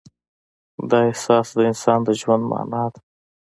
دا احساس د انسان د ژوند معنی ده.